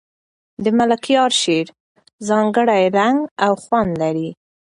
د ملکیار شعر ځانګړی رنګ او خوند لري.